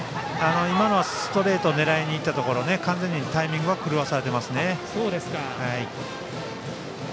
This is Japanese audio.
今のはストレートを狙いにいったところを完全にタイミングは狂わされています。